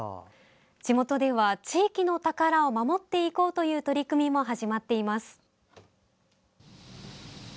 地元では、地域の宝を守っていこうという取り組みも始まっています。